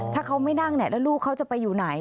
ถ้าเขาไม่นั่งแล้วลูกเขาจะไปอยู่ไหน